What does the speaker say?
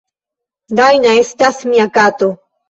"Dajna estas mia kato.